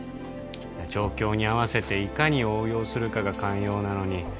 状況に合わせていかに応用するかが肝要なのに